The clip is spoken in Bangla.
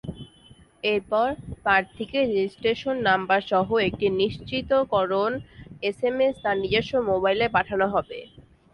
এরপর প্রার্থীকে রেজিস্ট্রেশন নম্বরসহ একটি নিশ্চিতকরণ এসএমএস তাঁর নিজস্ব মোবাইলে পাঠানো হবে।